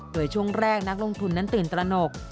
โดยช่วงแรกนักลงทุนนั้นตื่นตระหนก